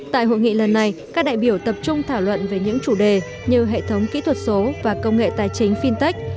tại hội nghị lần này các đại biểu tập trung thảo luận về những chủ đề như hệ thống kỹ thuật số và công nghệ tài chính fintech